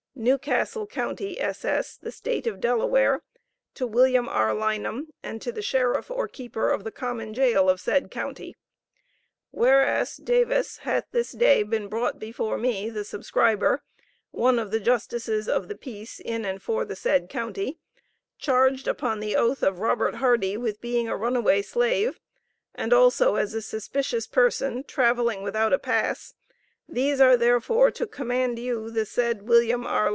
New Castle county, ss., the State of Delaware to Wm. R. Lynam, and to the Sheriff or keeper of the Common Jail of said county, Whereas Davis hath this day been brought before me, the subscriber, one of the Justices of the Peace, in and for the said county, charged upon the oath of Robert Hardie with being a runaway slave, and also as a suspicious person, traveling without a pass, these are therefore to command you, the said Wm. R.